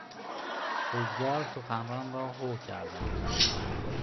حضار سخنران را هو کردند.